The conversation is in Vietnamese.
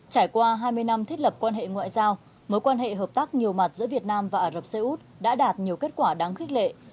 trải qua hai mươi năm thiết lập quan hệ ngoại giao mối quan hệ hợp tác nhiều mặt giữa việt nam và ả rập xê út đã đạt nhiều kết quả đáng khích lệ